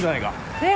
えっ？